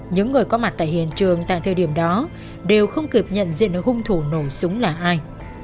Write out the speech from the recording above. những người có mặt tại hiện trường tại thời điểm đó đều không kịp nhận diện ở hung thủ nổ súng là ai